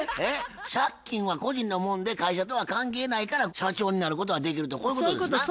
借金は個人のもんで会社とは関係ないから社長になることはできるとこういうことですな？